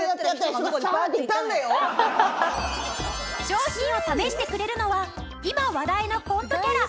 商品を試してくれるのは今話題のコントキャラ